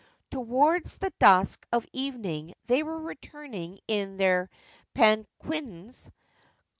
Towards the dusk of evening they were returning in their palanquins.